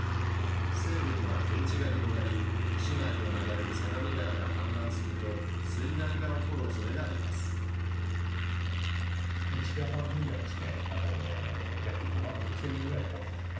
西部には低地が広がり市内を流れる相模川が氾濫すると水害が起こるおそれがあります。